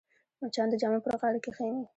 مچان د جامو پر غاړه کښېني